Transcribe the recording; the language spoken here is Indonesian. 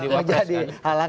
tidak bisa jadi wabah